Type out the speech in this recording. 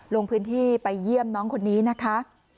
ลงพื้นที่ไปเยี่ยมน้องคนนี้นะคะ